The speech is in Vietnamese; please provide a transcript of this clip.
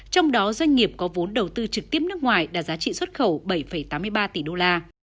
trong đó doanh nghiệp có vốn đầu tư trực tiếp nước ngoài đạt giá trị xuất khẩu bảy tám mươi ba tỷ đô la